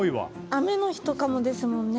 雨の日とかもですもんね